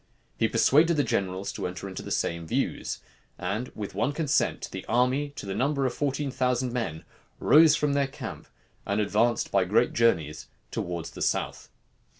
He persuaded the generals to enter into the same views; and with one consent the army, to the number of fourteen thousand men, rose from their camp, and advanced by great journeys towards the south.